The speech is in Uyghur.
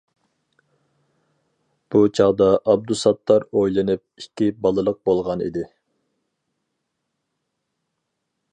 بۇ چاغدا ئابدۇساتتار ئۆيلىنىپ، ئىككى بالىلىق بولغان ئىدى.